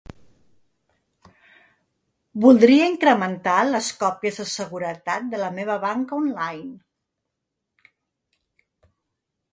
Voldria incrementar les còpies de seguretat de la meva banca online.